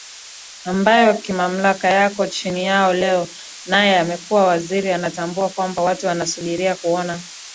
ambayo kimamlaka yako chini yao Leo naye amekuwa waziri anatambua kwamba watu wanasubiri kuona